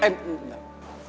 kamu udah pamit